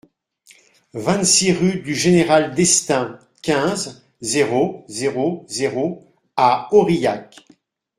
vingt-six rue du Général Destaing, quinze, zéro zéro zéro à Aurillac